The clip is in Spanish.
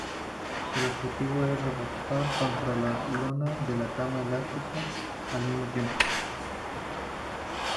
El objetivo es rebotar contra la lona de la cama elástica al mismo tiempo.